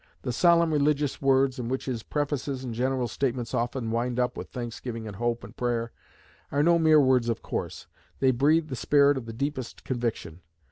The solemn religious words in which his prefaces and general statements often wind up with thanksgiving and hope and prayer, are no mere words of course; they breathe the spirit of the deepest conviction.